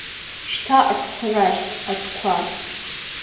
Шьҭа аҽқәа рахь, аҽқәа!